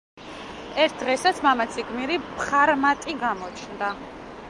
ერთ დღესაც, მამაცი გმირი, პხარმატი გამოჩნდა.